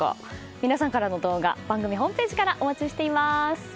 皆さんからの動画番組ホームページからお待ちしています。